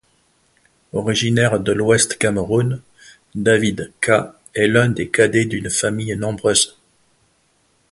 Originaire de l'Ouest Cameroun, David K est l'un des cadets d'une famille nombreuse.